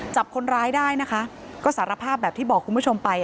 จับคนร้ายได้นะคะก็สารภาพแบบที่บอกคุณผู้ชมไป